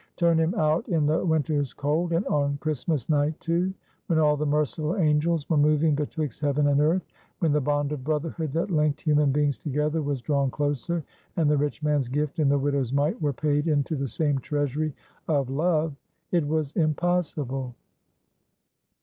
Turn him out in the winter's cold, and on Christmas night, too; when all the merciful angels were moving betwixt heaven and earth. When the bond of brotherhood that linked human beings together was drawn closer, and the rich man's gift and the widow's mite were paid into the same treasury of love, it was impossible!